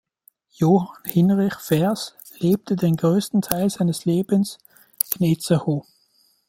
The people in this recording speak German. Johann Hinrich Fehrs lebte den größten Teil seines Lebens in Itzehoe.